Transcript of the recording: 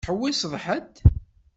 Tettḥewwiseḍ ḥedd?